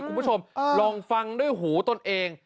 คุณผู้ชมลองฟังด้วยหูตนเอง